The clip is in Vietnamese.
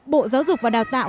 bộ giáo dục và đào tạo